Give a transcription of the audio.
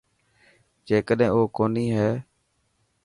جيڪڏهن او ڪوني هي.